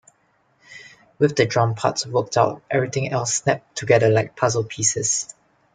With the drum parts worked out, everything else snapped together like puzzle pieces.